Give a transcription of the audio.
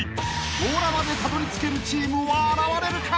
［強羅までたどり着けるチームは現れるか！？］